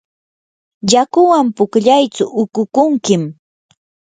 yakuwan pukllaytsu uqukunkim.